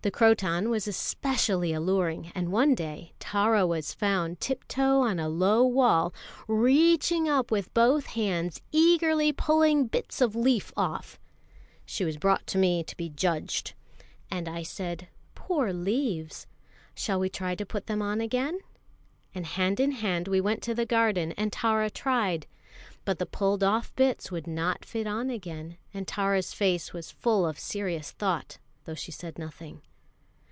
The croton was especially alluring; and one day Tara was found tiptoe on a low wall, reaching up with both hands, eagerly pulling bits of leaf off. She was brought to me to be judged; and I said: "Poor leaves! Shall we try to put them on again?" And hand in hand we went to the garden, and Tara tried. But the pulled off bits would not fit on again; and Tara's face was full of serious thought, though she said nothing.